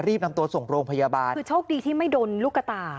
รีบนำตัวส่งโรงพยาบาลคือโชคดีที่ไม่โดนลูกกระตา